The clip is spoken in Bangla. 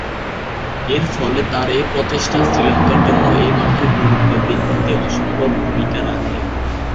এরফলে তার এ প্রচেষ্টা শ্রীলঙ্কার জন্য এ মাঠে গুরুত্ব বৃদ্ধিতে অসম্ভব ভূমিকা রাখে।